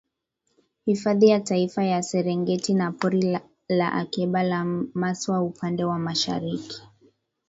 Hifadhi ya Taifa ya Serengeti na Pori la Akiba la Maswa upande wa mashariki